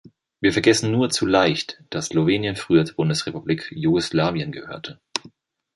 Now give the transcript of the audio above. Wir vergessen nur zu leicht, dass Slowenien früher zur Bundesrepublik Jugoslawien gehörte.